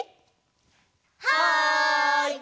はい！